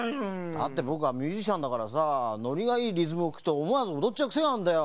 だってぼくはミュージシャンだからさノリがいいリズムをきくとおもわずおどっちゃうくせがあんだよ。